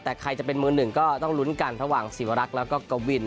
แต่ใครจะเป็นมือหนึ่งก็ต้องลุ้นกันระหว่างศิวรักษ์แล้วก็กวิน